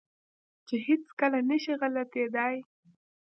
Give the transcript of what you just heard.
چې هېڅ کله نه شي غلطېداى.